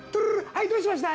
はいどうしました？